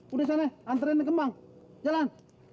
udah sana antrennya kembang jalan